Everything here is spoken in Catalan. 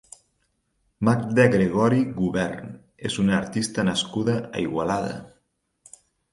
Magda Gregori Gubern és una artista nascuda a Igualada.